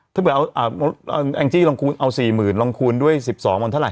ถ้าเฉพาะแอนกตีอิซี่ลองคูณเอา๔๐ล้านลงคูณด้วย๑๒ล้านบาทมันเท่าไหร่